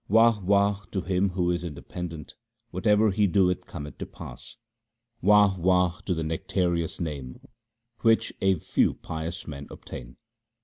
Wah ! Wah ! to Him who is independent ; whatever He doeth cometh to pass. Wah ! Wah ! to the nectareous Name which a few pious men obtain.